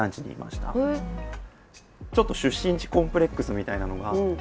ちょっと出身地コンプレックスみたいなのがあって。